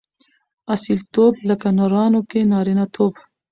اصیلتوب؛ لکه نرانو کښي نارينه توب.